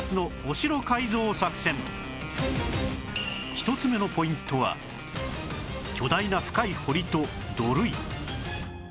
１つ目のポイントは巨大な深い堀と土塁